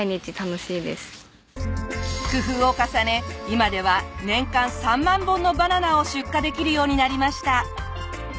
今では年間３万本のバナナを出荷できるようになりました。